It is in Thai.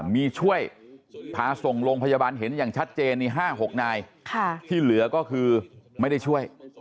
มีช่วยพาส่งโรงพยาบาลเห็นอย่างชัดเจน๕๖นายที่เหลือก็คือไม่ได้ช่วย